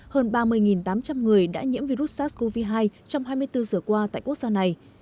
hơn ba mươi tám trăm linh người đã nhiễm virus sars cov hai trong hai mươi bốn giờ qua tại quốc gia này